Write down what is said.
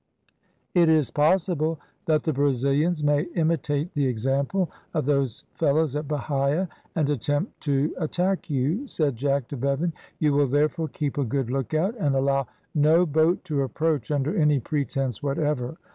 "It is possible that the Brazilians may imitate the example of those fellows at Bahia, and attempt to attack you," said Jack to Bevan; "you will therefore keep a good lookout, and allow no boat to approach under any pretence whatever.